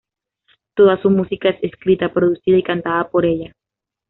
Toda su música es escrita, producida y cantada por ella.